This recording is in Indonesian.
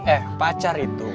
eh pacar itu